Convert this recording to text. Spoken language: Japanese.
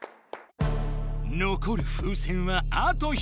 のこる風船はあと１つ。